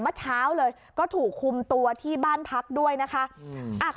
เมื่อเช้าเลยก็ถูกคุมตัวที่บ้านพักด้วยนะคะ